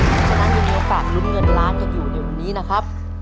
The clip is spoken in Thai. เพราะฉะนั้นยังมีโอกาสลุ้นเงินล้านกันอยู่ในวันนี้นะครับ